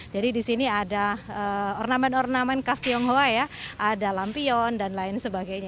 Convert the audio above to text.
jadi di sini ada ornamen ornamen khas tionghoa ya ada lampion dan lain sebagainya